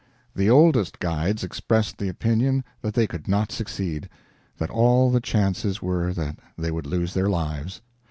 The oldest guides expressed the opinion that they could not succeed; that all the chances were that they would lose their lives.